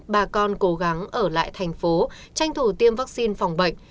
bà con cố gắng ở lại thành phố tranh thủ tiêm vaccine phòng bệnh